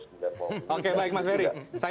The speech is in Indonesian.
karena banyak berlebihan juga